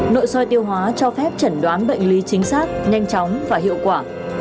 nội soi tiêu hóa cho phép chẩn đoán bệnh lý chính xác nhanh chóng và hiệu quả